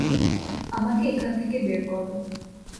আমাকে এখান থেকে বের করো।